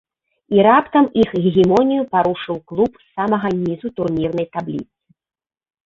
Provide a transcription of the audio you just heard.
І раптам іх гегемонію парушыў клуб з самага нізу турнірнай табліцы.